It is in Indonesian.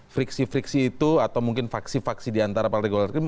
friksi friksi itu atau mungkin faksi faksi diantara partai golkar